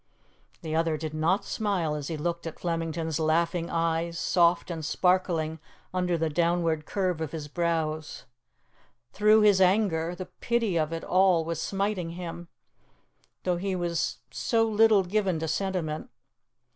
The other did not smile as he looked at Flemington's laughing eyes, soft and sparkling under the downward curve of his brows. Through his anger, the pity of it all was smiting him, though he was so little given to sentiment.